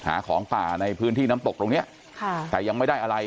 หาของป่าในพื้นที่น้ำตกตรงเนี้ยค่ะแต่ยังไม่ได้อะไร